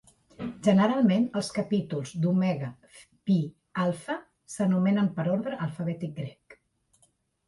Generalment, els capítols d'Omega Phi Alpha s'anomenen per ordre alfabètic grec.